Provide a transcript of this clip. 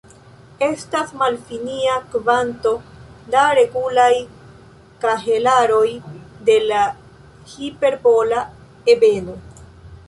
Estas malfinia kvanto da regulaj kahelaroj de la hiperbola ebeno.